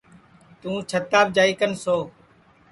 تُوں چھتاپ جائی کن سو